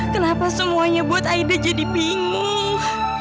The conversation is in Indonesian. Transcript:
kenapa semuanya buat aida jadi bingung